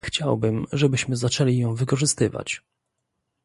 Chciałbym, żebyśmy zaczęli ją wykorzystywać